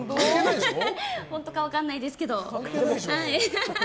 本当かどうか分からないですけど。